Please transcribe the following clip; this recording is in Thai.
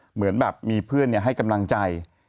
เหมือนแบบมีเพื่อนให้กำลังใจ